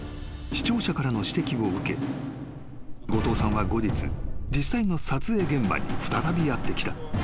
［視聴者からの指摘を受け後藤さんは後日実際の撮影現場に再びやって来た］